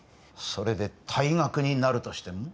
それで退学になるとしても？